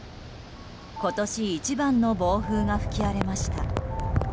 今年一番の暴風が吹き荒れました。